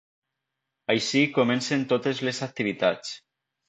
Així comencen totes les activitats.